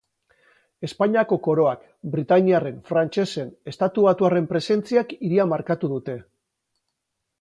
Espainiako Koroak, britaniarren, frantsesen, estatubatuarren presentziak hiria markatu dute.